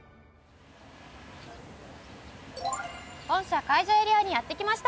本社会場エリアにやって来ました。